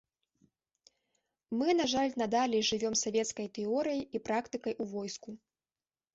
Мы, на жаль, надалей жывём савецкай тэорыяй і практыкай у войску.